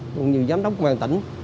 và nhiều giám đốc của ban tỉnh